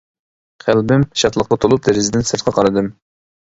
قەلبىم شادلىققا تولۇپ دېرىزىدىن سىرتقا قارىدىم.